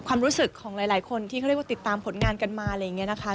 ความรู้สึกของหลายคนที่เขาเรียกว่าติดตามผลงานกันมาอะไรอย่างนี้นะคะ